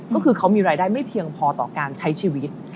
ก็คือเขามีรายได้ไม่เพียงพอต่อการใช้ชีวิต